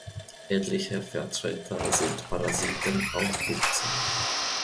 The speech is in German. Etliche Vertreter sind Parasiten auf Pilzen.